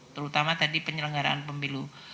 terutama tadi penyelenggaraan pemilu